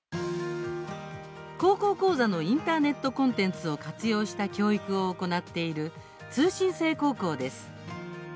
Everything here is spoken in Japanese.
「高校講座」のインターネットコンテンツを活用した教育を行っている通信制高校です。